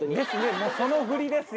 もうそのフリですよ。